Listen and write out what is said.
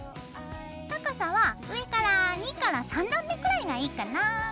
高さは上から２から３段目くらいがいいかな。